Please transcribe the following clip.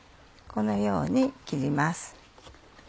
このように切ります。